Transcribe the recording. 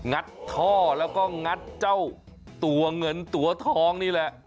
ัดท่อแล้วก็งัดเจ้าตัวเงินตัวทองนี่แหละ